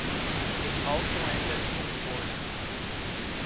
It also ended in divorce.